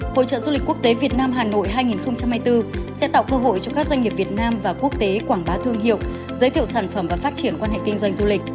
hội trợ du lịch quốc tế việt nam hà nội hai nghìn hai mươi bốn sẽ tạo cơ hội cho các doanh nghiệp việt nam và quốc tế quảng bá thương hiệu giới thiệu sản phẩm và phát triển quan hệ kinh doanh du lịch